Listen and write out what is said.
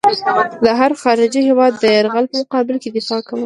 د هر خارجي هېواد د یرغل په مقابل کې دفاع کوو.